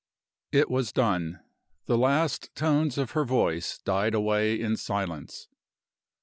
IT was done. The last tones of her voice died away in silence.